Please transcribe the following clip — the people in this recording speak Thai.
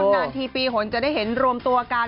นานทีปีหนจะได้เห็นรวมตัวกัน